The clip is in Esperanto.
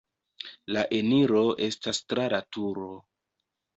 La eniro estas tra la turo.